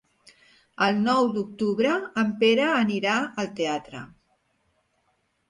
El nou d'octubre en Pere anirà al teatre.